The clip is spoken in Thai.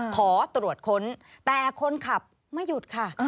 ขอตรวจค้นแต่คนขับไม่หยุดค่ะ